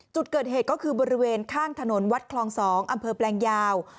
จุดเกิดเหตุก็คือบริเวณข้างถนนวัดคลอง๒อำเภอแปลงยาว